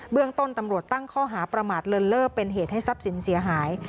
เรื่องต้นตำรวจตั้งข้อหาประมาทเลินเล่อเป็นเหตุให้ทรัพย์สินเสียหาย